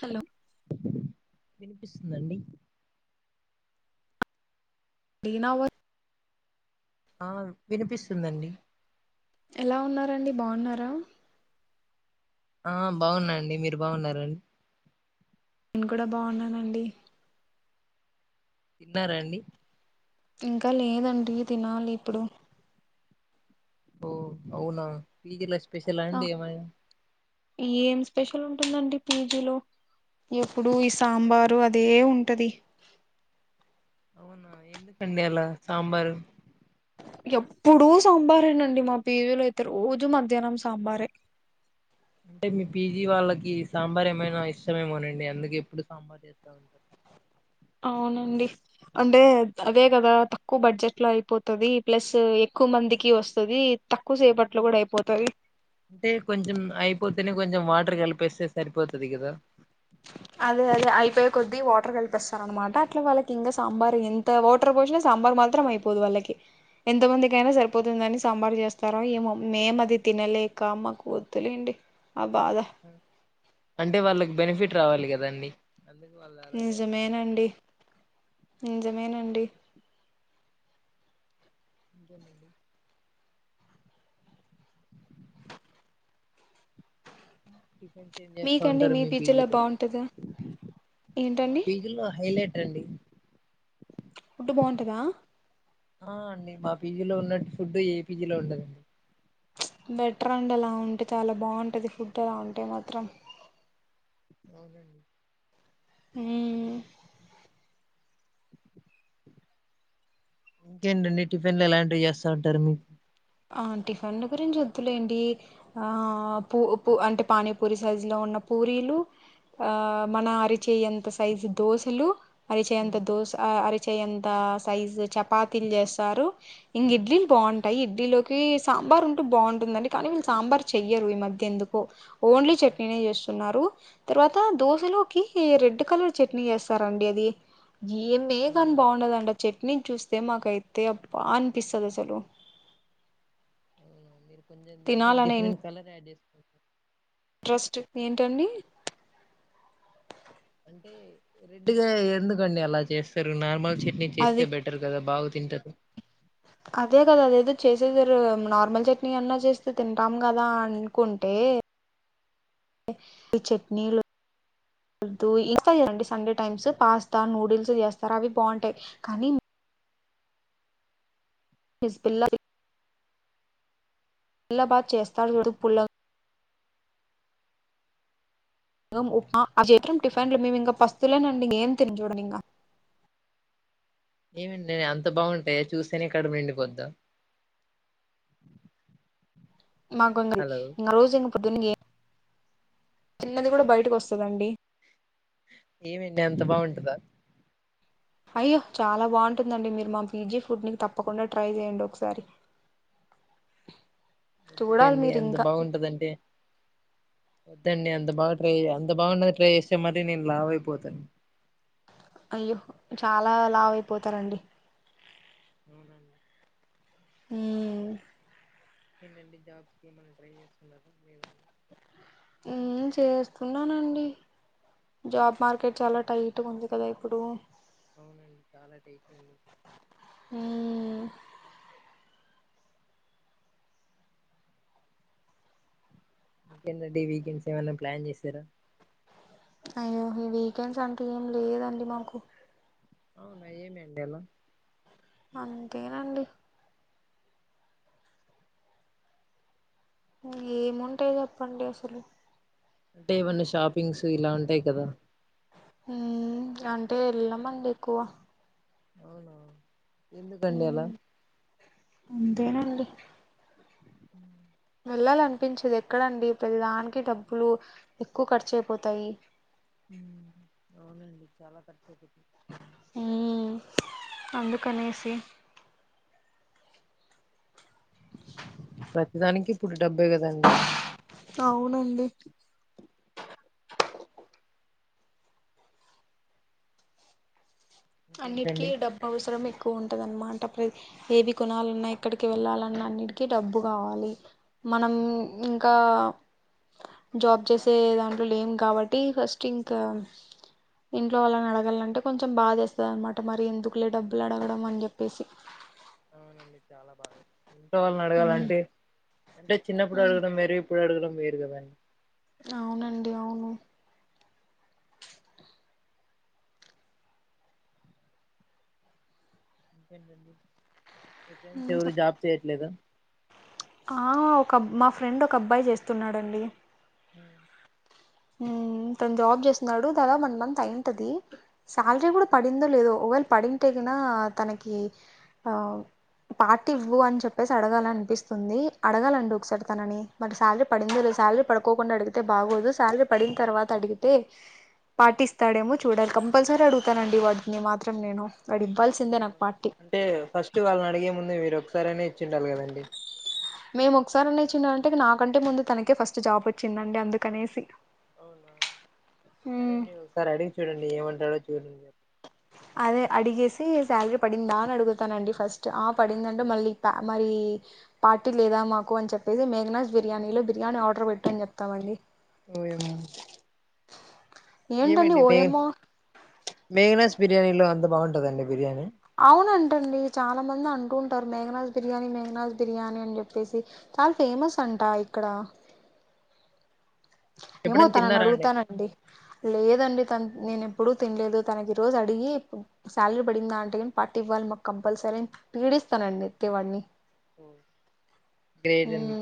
Hello వినిపిస్తుందండి లిన వ్ ఆ వినిపిస్తుందండి ఎలా ఉన్నారండి బాగున్నారా ఆ బాగున్నాండి మీరు బాగున్నారండి నేను కూడా బాగున్నానండి తిన్నారా అండి ఇంకా లేదండి తినాలి ఇప్పుడు ఓ అవునా పీజిలా స్పెషల్ ఆ అండి ఏమ ఏం స్పెషల్ ఉంటుందండి పీజీలో ఎప్పుడు ఈ సాంబారు అదే ఉంటది అవునా ఎందుకండి ఆలా సాంబార్ ఎప్పుడూ సాంబారేనండి మా పీజీలో అయితే రోజు మధ్యాహ్నం సాంబారే అంటే మీ పీజీ వాళ్ళకి సాంబార్ ఏమైనా ఇష్టమేమోనండి అందుకె ఎప్పుడు సాంబార్ చేస్తా ఉంటారు అవునండి అంటే అదే కదా తక్కువ బడ్జెట్ లో అయిపోతుది ప్లస్ ఎక్కువ మందికి వస్తుంది తక్ అంటే కొంచెం అయిపోతేనే కొంచెం వాటర్ కలుపు ఉపేస్తే సరిపోతుది కదా అదే అదే అయిపోయే కొద్దీ వాటర్ కలిపిస్తారు అనమాట అట్లా వాళ్ళకి ఇంకా సాంబార్ ఎంత వాటర్ పోసినా సాంబార్ మాత్రం అయిపోదు వాళ్ళకి ఎంత మందికియినా సరిపోతుందిని సాంబార్ చేస్తారో ఎమో మేం అది తిన లేక మాకొద్దీలెండి ఆ బాధ అంటే వాళ్ళకి బెనిఫిట్ రావాలి కదండి అందుకు వాళ్ళు అలా చేస్తున్నారేమో నిజమేనండి నిజమేనండి ఇంకేంటండి టిఫిన్స్ ఏం చేస్తా మీకండి ఉంటారు మీ పిజ్జలా పిజీలో బాగుంటదా మా ఏంటండి పిజీ లో హైలైట్ రండి ఫుడ్ బొంటద ఆ అండి మా పీజీలో ఉన్నట్టు ఫుడ్ ఏ పీజీలో ఉండదండి బెటర్ అండి ఆలా ఉంటే చాలా బాగుంటుంది ఫుడ్ ఆలా ఉంటే మాత్రం అవునండి హమ్ జర్నలి టిఫిన్ ఇలాంటివి చేస్తారు మీరు ఆ టిఫిన్ గురించి వద్దులేడి ఆ పూ పూ అంటే పానీపూరి సైజు లో ఉన్న పూరిలు ఆ మన అరిచేంత సైజు దోశలు అరిచంత హ్మ్. దోస అరిచేంత సైజ చపాతలు చేస్తారు ఇంకా హ్మ్. ఇడ్లీలు బాగుంటాయి లో సాంబార్ ఉంటూ బాగుంటుందండి కానీ వీళ్ళు సాంబార్ చెయ్యరు ఈ మధ్య ఎందుకో ఓన్లీ ఆ! చట్నీ నే చేస్తున్నారు తర్వాత దోశలోకి రెడ్ కలర్ చట్నీ చేస్తారండి అది ఏం మేకన్ అవునా బాగుండది అండి చట్నీ చూస్తే మాకు అయితే అబ్బా అనిపిస్తుది అసలు అ తినాలనే ఇన్ డిఫరెంట్ కలర్ యాడ్ చేద్దాం ట్రస్ట్ ఏంటండీ రెడ్గా ఎందుకండి అలా చేస్తారు నార్మల్ చట్నీ అది చేస్తే బెటర్ కదా బాగు తింటారు అదే కదా అదేదో చేసేసారు నార్మల్ చట్నీ అన్నా చేస్తే తింటాం కదా అనుకుంటే ఈ చట్నీలు వదు ఇంతా చేండి సండే టైమ్స్ పాస్తా నూడిల్స్ చేస్తారు అవి బాగుంటాయి కానీ హిజబిల్లా తెల్లబాద్ చేస్తాడు వెడు పుల్ల ఉప్మా అవే టిఫిన్లు వస్తువులనే ఉంటాం ఇంకా ఏమీ తిని చూడము ఏమండి నే అంత బాగుంటాయా చూస్తేనే కడుపు నిండిపోద్దా మాకుంగది హలో ఇ రోజు ఇక ప్రొద్దున్నే తిన్నది కూడా బయటకి వస్తుంది అంది ఏమి ఎంత బాగుంటందా అయ్యో చాలా బాగుంటుందండి మీరు మా పీజీ ఫుడ్ ని తప్పకుండా ట్రై చేయండి ఒకసారి చూడాలి వద్దండి మీరు ఎంత ఇంకా బాగుంటుందంటడి వద్దండి అంత బాగా ట్రై అంత బాగాన్నది ట్రై చేస్తే మరి నేను లావు అయిపోతాను అయ్యో చాలా లావు అయిపోతారండి అ హమ్ ఏంటండి జాబ్స్ కి ఏమనా ట్రై చేస్తున్నారా లేదని మ్.. చేస్తున్నానండి జాబ్ అవు- మార్కెట్ చాలా టైట్ ఉంది కదా ఇప్పుడు అవునండి చాలా టేక్ ఉంది ఉమ్ ఇకంటంటే వీకెండ్స్ ఏమైన్నా ప్లాన్ చేసరా అయ్యో ఈ వీకెండ్స్ అంటే ఏం లేదండి మాకు అవునా ఏం పెట్టారు అంతేనండి ఏముంటాయ చెప్పండి అసలు అంటే ఏమన్నా షాపింగ్స్ ఇలా ఉంటాయి కదా మ్.. అంటే వెళ్ళామండి ఎక్కువ ఔను మ్... అంతేనండి వెళ్లాలనిపించేదు ఎక్కడండి ప్రతి దానికి డబ్బులు ఎక్కువ ఖర్చు అయిపోతాయి అవునండి చాలా ఖర్చు అయిపోతుంది హమ్ అందుకనేసి ప్రతిదానికి ఇప్పుడు డెబ్బై కదండి అవునండి అన్నిటికి ఇంకేంటండి డబ్బు అవసరం ఎక్కువ ఉంటదన్నమాట ఏవి కొనాలన్నా ఎక్కడికి వెళ్ళాలన్నా అన్నిటికి డబ్బు కావాలి మనం అవునండి ఇంకా జాబ్ చేసే దాంట్లో లేం కాబట్టి ఫస్ట్ ఇంకా ఇంట్లో వాళ్ళని అడగాలంటే కొంచెం బాధేస్త వ అన్నమాట మరి ఎందుకులే డబ్బులు అడగడం అని చెప్పేసి అవునండి చాలా బాధగావుంటుంది ఇంట్లో వాళ్ళని ఉమ్ అడగాలంటే అంటే చిన్నప్పుడు అడగడం వేరు ఇప్పుడూ అడగడం వేరుగద అండి అవునండి అవును ఇంకేంటండి మీ ఫ్రెండ్స్ ఎవరు చెప్ జాబ్ చేయట్లేద ఆ ఒకబ్ మా ఫ్రెండ్ ఒక అబ్బాయి చేస్తున్నాడండి హ్మ్మ్ మ్ తను జాబ్ చేస్తున్నాడు దాదప్ వన్ మంత్ అయింటది శాలరీ కూడా పడిందో లేదో ఒక వేల్ పడింటేకినా తనకి ఆ పార్టీ ఇవ్వు అని చెప్పేసి అడగాల అనిపిస్తుంది అడగాలండి ఒకసారి తనని మరి శాలరీ పడిందో లేదు శాలరీ పడుకోకుండా అడిగితే బాగోదు సాలరీ పడిన తర్వాత అడిగితే పార్టీస్తాడేమో చూడాలి కంపల్సరీ అడుగుతానండి వాడిని మాత్రం నేను వాడు ఇవ్వాల్సిందే నాకు పార్టీ అంటే ఫస్ట్ వాళ్ళని అడిగే ముందు మీరు ఒకసారినే ఇచ్చిండాలి కదండి మేము ఒకసారిన చినంటే నాకంటే ముందు తనకే ఫస్ట్ జాబ్ వచ్చిందండి అందుకనేసి అవునా సరే మ్మ్ అండి ఒకసారి అడిగి చూడండి ఏమంటాడో చూడండి అదే అడిగేసి శాలరీ పడిందా అని అడుగుతానండి ఫస్ట్ ఆ పడిందంటే మళ్ళీ ఆ మరి పార్టీ లేదా మాకు అని చెప్పేసి మేగనాస్ బిర్యానీలో బిర్యానీ ఆర్డర్ పెట్టు అని చెప్తామండి ఏం ఏంటండీ ఓయమో మేగనాస్ బిర్యానీలో అంతా బాగుంటుందండి బిర్యానీ అవునంటండి చాలా మంది అంటుంటారు మేఘనాస్ బిర్యానీ మేఘనాస్ బిర్యానీ అని చెప్పేసి చాల ఫేమస్ అంట ఇక్కడ ఎమో ఎప్పుడైనా తనని తిన్నారా అండి అడుగుతానండి లేదండి తను నేను ఎప్పుడు తినలేదు తనని ఈ రోజు అడిగి సాలరీ పడిందా అంటే పార్టీ ఇవ్వాలి మాకు కంపల్సరీ పీడి ఇస్తానండీకే వాడిని ఓ గ్రేట్ అండి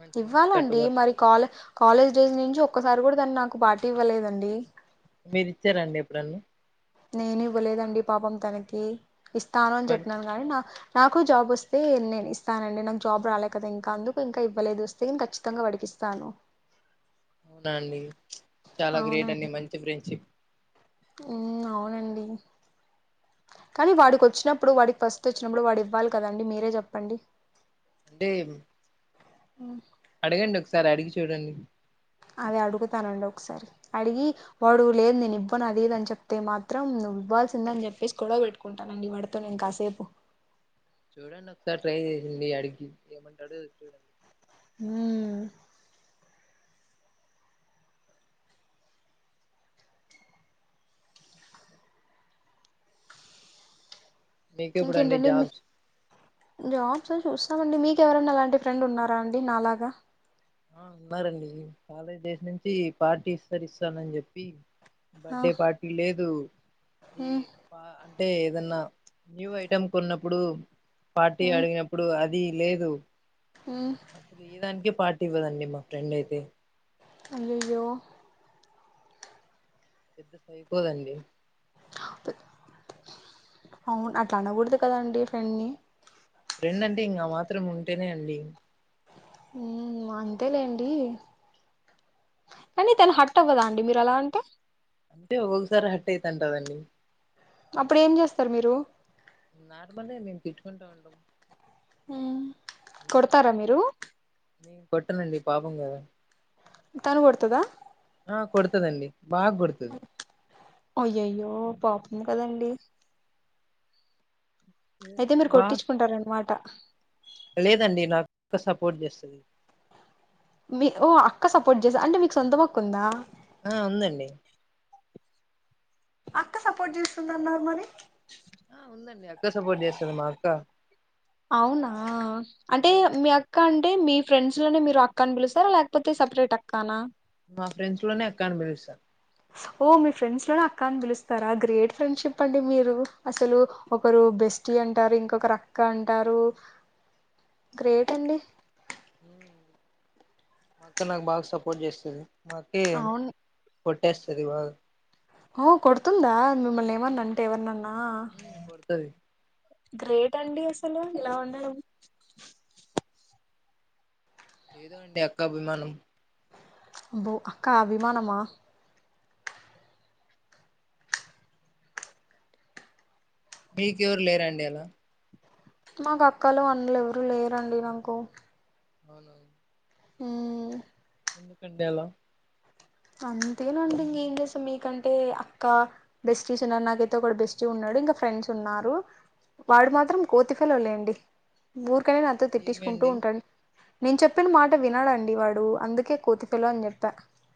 మంచి మంచి ఇవ్వాలండి కట్టుబాటు మరి కాలేజ్ కాలేజీ డేస్ నుంచి ఒక్కసారి కూడా తాను నాకు పార్టీ ఇవ్వలేదండి మీరు ఇచ్చారండి ఎప్పుడన్న నేను ఇవ్వలేదండి పాపం తనకి ఇస్తాను అని మరి చెప్పినను కాగానీ నా నాకు జాబ్ వస్తే నేను ఇస్తానండి నాకు జాబ్ రాలే కదా ఇంకా అందుకు ఇంకా ఇవ్వలేదు వస్తే నేను ఖచ్చితంగా వడికిస్తాను స్తాను అవునా అండి చాలా గ్రేట్ అండి మంచి ఫ్రెండ్షిప్ ఉ అవునండి కానీ వాడికి వచ్చినప్పుడు వాడికి ఫస్ట్ వచ్చినప్పుడు వాడు ఇవ్వాలి కదండి మీరే చెప్పండి అంటే అ అడగండి ఒకసారి అడిగి చూడండి అది అడుగుతానండి ఒకసారి అడిగి వాడు లేదు నేను ఇవ్వను అదిది అని చెప్తే మాత్రం నువ్వు ఇవ్వాల్సిందని చెప్పేసి గడవ పెట్టుంటానండి వాడతో నేను కాసేపు చూడండి ఒకసారి ట్రై చేసింది అడిగి ఏమంటాడుో చూడండి హ మీకు ఇప్పుడు అండి ఇంకేంటండి మీ జాబ్స్ జాబ్స్ చూస్తామండి మీకు ఎవరైనా అలాంటి ఫ్రెండ్ ఉన్నారా అండి నాలాగా ఆ ఉన్నారండి కాలేజ్ డేస్ నుంచి పార్టీస్తరి ఇస్తానని చెప్పి ఆ బర్డే పార్టీ లేదు ఏ మ్మ్ అంటే ఏదన్నా న్యూ ఐటమ్ కొన్నప్పుడు పార్టీ మ్మ్ అడిగినప్పుడు అది అది లేదు మ్మ్ అసలు ఈ దానికే పార్టీ ఇవ్వదండి మా ఫ్రెండ్ అయితే అయ్యయ్యో పెద్ద సైకోదండి అవును అట్లా అనకూడదు కదండి ఫ్రెండ్ని ఫ్రెండ్ అంటే ఇంకా మాత్రం ఉంటేనే అండి హమ్ అంతేలేండి కానీ తను హర్ట్ అవ్వ దండి మీరు అలా అంటే అంటే ఒకసారి హట్ అవుతుంటుందండి అప్పుడు ఏం చేస్తారు మీరు నార్మలే మేము తిట్టుకుంటాము ఉంటాము హ కొడతారా మీరు నేను కొట్టనండి పాపం కదా తను కొడుతాదా ఆ కొడతుదండి అయ్యయ్యో పాపం కదండి అయితే మీరు బాగా కొట్టించుకుంటార అన్నమాట లేదండి నాకు అక్క సపోర్ట్ చేస్తుంది మీ ఓ అక్క సపోర్ట్ చేసా అంటే మీకు సొంత మక్కు ఉందా హా ఉంది అండి అక్క సపోర్ట్ చేస్తుందన్నారు మరి ఆ ఉందండి అక్క సపోర్ట్ చేస్తంది మా అక్క అవునా అంటే మీ అక్క అక్క అంటే మీ ఫ్రెండ్స్ లోనే మీరు అక్కని పిలుస్తారా లేకపోతే సపరేట్ అక్కానా మా ఫ్రెండ్స్ లోనే అక్క అని పిలుస్తాను ఓ మీ ఫ్రెండ్స్ లోనే అక్కాని పిలుస్తారా గ్రేట్ ఫ్రెండ్షిప్ అండి మీరు అసలు ఒకరు జస్టి అంటారు ఇంకొక అక్క అంటారు గ్రేట్ అండి మా అక్క నాకు బాగా సపోర్ట్ చేస్తుంది మా అక్క అవును కొట్టేస్తది బాగా ఓ కొడుతుందా మిమ్మల్ని ఏమన్నా అంటే ఎవనన్నా కొడతది గ్రేట్ అండి అసలు ఇలా ఉండడం ఏదో అండి అక్క అభిమానం అబ్బో అక్కా అభిమానమా మీకు ఎవరూ లేరా అండి అలా మాకు అక్కలు అన్నలు ఎవరూ లేరండి నాకు అవును ఉమ్ పెండెల అంతేనండి ఇంకేం చేస్తాం మీకంటే అక్క బెస్ట్ చూసన్నారు నాకైతే ఒక బెస్టీ ఉన్నాడు మిగతా ఫ్రెండ్స్ ఉన్నారు వాడు మాత్రం కొతీఫెళ్ళోలేండి కానీ నాతో ఏమి తిట్టించుకుంటూ అండి ఉంటాడు నేను చెప్పిన మాట వినడండి వాడు అందుకే కోతిపిల్ల అని చెప్తన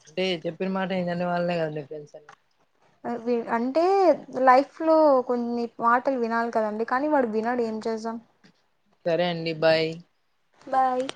అంటే చెప్పిన మాట వినని వాళ్ళనే కదా ఫ్రెండ్స్ అంటే అవి అంటే లైఫ్ లో కొన్ని మాటలు వినాలి కదండి కానీ వాడు వినడు ఏ జేసం సరే అండి బాయ్ బాయ్